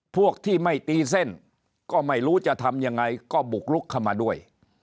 พวกที่ไม่ตีเส้นก็ไม่รู้จะทำยังไงก็บุกลุกเข้ามาด้วย